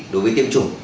đối với tiêm chủng